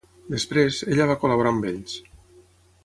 Després, ella va col·laborar amb ells.